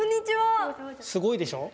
すごいでしょ。